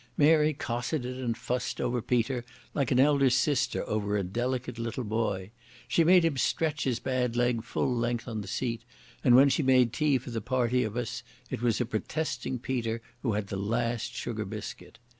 Mary cosseted and fussed over Peter like an elder sister over a delicate little boy. She made him stretch his bad leg full length on the seat, and when she made tea for the party of us it was a protesting Peter who had the last sugar biscuit.